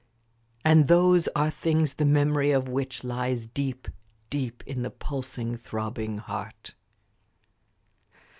And those are things the memory of which lies deep, deep in the pulsing, throbbing heart.